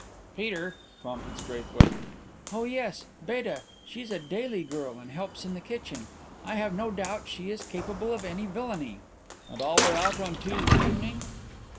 "Peter," prompted Straithwaite. "Oh yes, Beta. She's a daily girl and helps in the kitchen. I have no doubt she is capable of any villainy." "And all were out on Tuesday evening?"